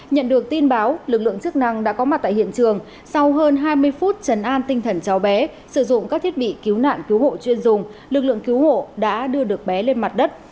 nhận được tin báo lực lượng chức năng đã có mặt tại hiện trường sau hơn hai mươi phút chấn an tinh thần cháu bé sử dụng các thiết bị cứu nạn cứu hộ chuyên dùng lực lượng cứu hộ đã đưa được bé lên mặt đất